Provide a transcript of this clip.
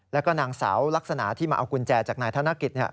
แล้วก็นางสาวลักษณะที่มาเอากุญแจจากนายธนกิจ